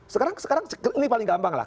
sekarang sekarang ini paling gampang lah